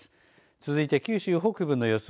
続いて九州北部の予想